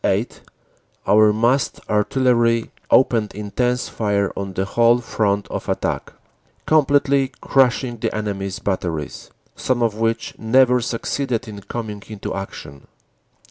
8 our massed artillery opened intense fire on the whole front of attack, completely crushing the enemy s batteries, some of which never succeeded in coming into action.